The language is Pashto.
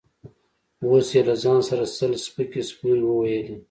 اوس يې له ځان سره سل سپکې سپورې وويلې.